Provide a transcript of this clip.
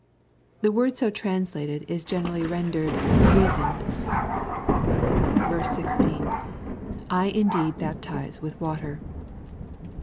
] The word so translated is generally rendered " rea soned." 16. — II indeed baptize wUh water.